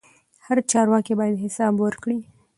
هر چارواکی باید حساب ورکړي